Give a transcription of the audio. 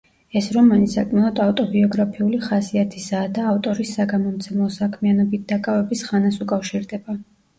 ეს რომანი საკმაოდ ავტობიოგრაფიული ხასიათისაა და ავტორის საგამომცემლო საქმიანობით დაკავების ხანას უკავშირდება.